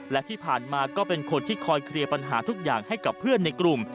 และที่ผ่านมาก็เป็นคนที่คอยเคลียร์ปัญหาทุกอย่างให้กับเพื่อนในกลุ่ม